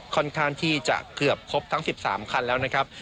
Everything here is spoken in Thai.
ค่อนข้างที่จะเกือบครบทั้ง๑๓คันแล้วนะครับ